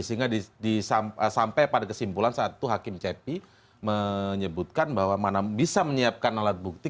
sehingga sampai pada kesimpulan saat itu hakim cepi menyebutkan bahwa bisa menyiapkan alat bukti